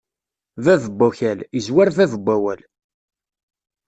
Bab n wakal, izwar bab n wawal.